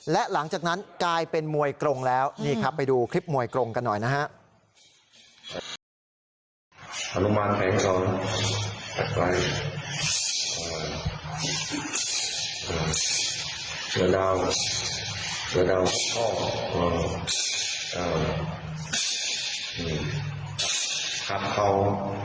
และหลังจากนั้นกลายเป็นมวยกรงแล้วนี่ครับไปดูคลิปมวยกรงกันหน่อยนะฮะ